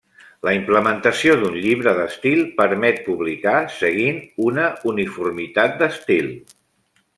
La implementació d'un llibre d'estil permet publicar seguint una uniformitat d'estil.